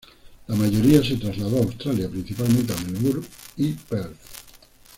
La mayoría se trasladó a Australia, principalmente a Melbourne y Perth.